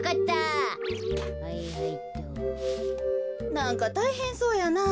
なんかたいへんそうやなあ。